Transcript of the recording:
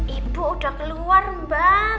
ibu udah keluar mbak